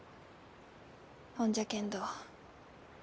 ほんじゃけんど